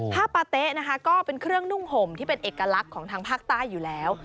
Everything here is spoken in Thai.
ปาเต๊ะนะคะก็เป็นเครื่องนุ่งห่มที่เป็นเอกลักษณ์ของทางภาคใต้อยู่แล้ว